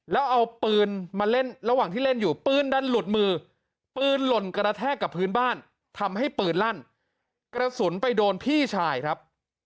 แล้วเอาปืนมาเล่นระหว่างที่เล่นอยู่ปืนดันหลุดมือปืนหล่นกระแทกกับพื้นบ้านทำให้ปืนลั่นกระสุนไปโดนพี่ชายครับ